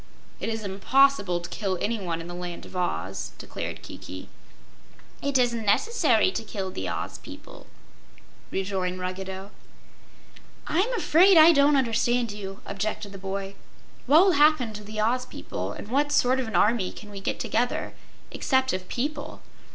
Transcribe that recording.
"It is impossible to kill anyone in the Land of Oz," declared Kiki. "It isn't necessary to kill the Oz people," rejoined Ruggedo. "I'm afraid I don't understand you," objected the boy. "What will happen to the Oz people, and what sort of an army could we get together, except of people?"